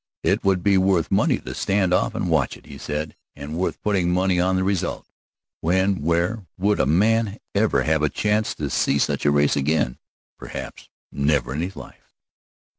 It would be worth money to stand off and watch it, he said, and worth putting money on the result. When, where, would a man ever have a chance to see such a race again? Perhaps never in his life.